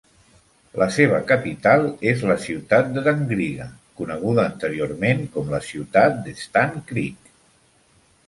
La seva capital és la ciutat de Dangriga, coneguda anteriorment com "la Ciutat de Stann Creek".